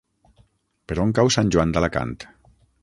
Per on cau Sant Joan d'Alacant?